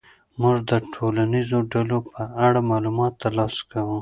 موږ د ټولنیزو ډلو په اړه معلومات ترلاسه کوو.